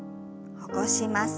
起こします。